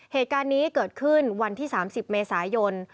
เหตุการณ์นี้เกิดขึ้นวันที่๓๐เมษายน